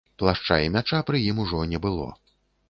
Плашча і мяча пры ім ужо не было.